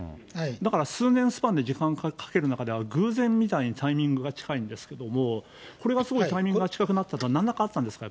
だから、数年スパンで時間かける中では、偶然みたいに、タイミングが近いんですけども、これはすごいタイミングが近くなったというのは、なんらかあったんですか？